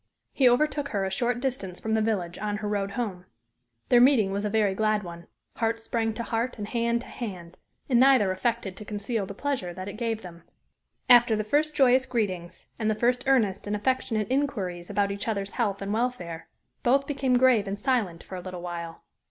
He overtook her a short distance from the village, on her road home. Their meeting was a very glad one heart sprang to heart and hand to hand and neither affected to conceal the pleasure that it gave them. After the first joyous greetings, and the first earnest and affectionate inquiries about each other's health and welfare, both became grave and silent for a little while.